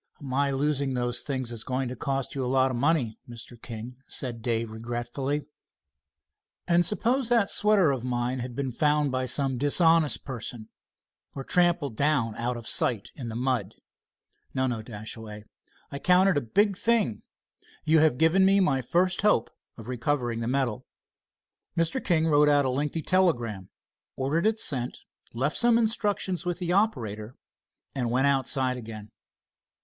"My losing those things is going to cost you a lot of money, Mr. King," said Dave regretfully. "And suppose that sweater of mine had been found by some dishonest person, or trampled down out of sight in the mud? No, no, Dashaway, I count it a big thing, you're giving me my first hope of recovering the medal." Mr. King wrote out a lengthy telegram, ordering it sent, left some instructions with the operator, and went outside again.